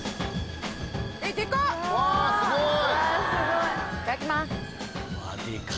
うわすごい！